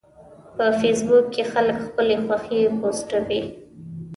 په فېسبوک کې خلک خپلې خوښې پوسټوي